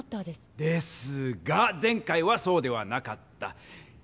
ですが前回はそうではなかった。